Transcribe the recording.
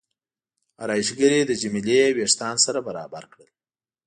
ارایشګرې د جميله وریښتان سره برابر کړل.